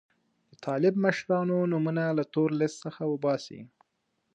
د طالب مشرانو نومونه له تور لیست څخه وباسي.